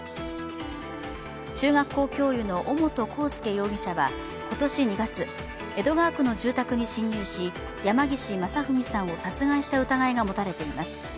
中学校教諭の尾本幸祐容疑者は今年２月、江戸川区の住宅に侵入し、山岸正文さんを殺害した疑いが持たれています。